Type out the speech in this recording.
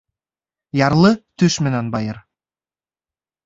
Ярлы төш менән байыр.